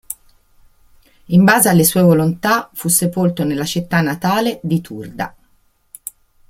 In base alle sue volontà fu sepolto nella città natale di Turda.